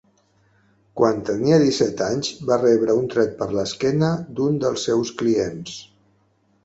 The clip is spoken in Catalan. Quan tenia disset anys, va rebre un tret per l'esquena d'un dels seus clients.